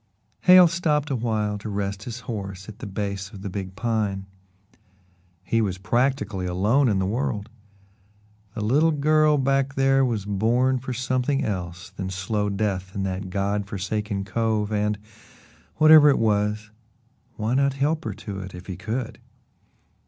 Hale stopped a while to rest his horse at the base of the big pine. He was practically alone in the world. The little girl back there was born for something else than slow death in that God forsaken cove, and whatever it was why not help her to it if he could?